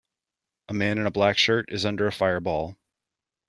A man in a black shirt is under a fire ball.